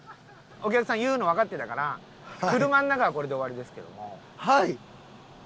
お客さん言うのわかってたから車の中はこれで終わりですけども。